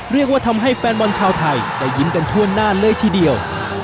เรียกว่าทำให้แฟนบอลชาวไทยได้ยิ้มกันทั่วหน้าเลยทีเดียว